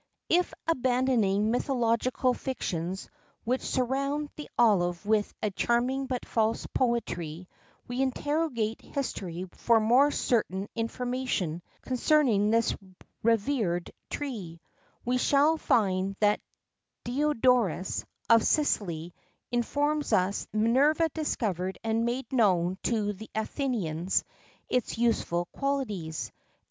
[XII 8] If, abandoning mythological fictions which surround the olive with a charming but false poetry, we interrogate history for more certain information concerning this revered tree, we shall find that Diodorus, of Sicily, informs us Minerva discovered and made known to the Athenians its useful qualities.